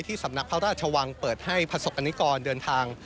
สำนักพระราชวังเปิดให้ประสบกรณิกรเดินทาง